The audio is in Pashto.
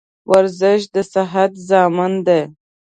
ورزش دصحت ضامن دي.